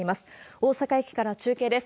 大阪駅から中継です。